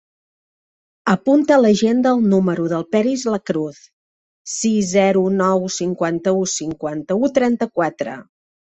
Apunta a l'agenda el número del Peris Lacruz: sis, zero, nou, cinquanta-u, cinquanta-u, trenta-quatre.